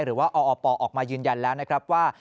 หรือว่าออปออกมายืนยันแล้วนะครับว่า